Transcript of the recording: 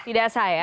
tidak sah ya